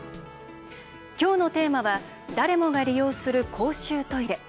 今日のテーマは誰もが利用する公衆トイレ。